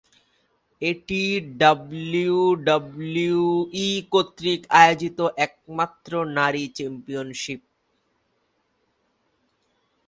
এটি ডাব্লিউডাব্লিউই কর্তৃক আয়োজিত একমাত্র নারী চ্যাম্পিয়নশীপ।